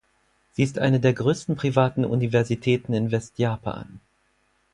Sie ist eine der größten privaten Universitäten in Westjapan.